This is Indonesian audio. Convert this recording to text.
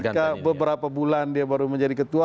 ketika beberapa bulan dia baru menjadi ketua